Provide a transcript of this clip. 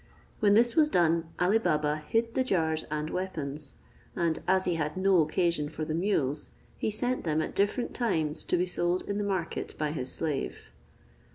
When this was done, Ali Baba hid the jars and weapons; and as he had no occasion for the mules, he sent them at different times to be sold in the market by his slave.